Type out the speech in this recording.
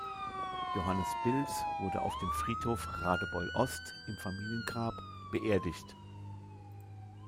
Johannes Bilz wurde auf dem Friedhof Radebeul-Ost im Familiengrab beerdigt.